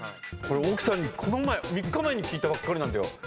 これ奥さんにこの前３日前に聞いたばっかりなんだよ。